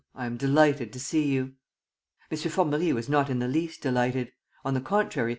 ... I am delighted to see you. ..." M. Formerie was not in the least delighted. On the contrary, M.